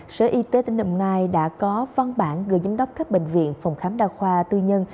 sở y tế tỉnh đồng nai đã có văn bản gửi giám đốc các bệnh viện phòng khám đa khoa tư nhân